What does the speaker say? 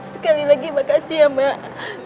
sekali lagi makasih ya mbak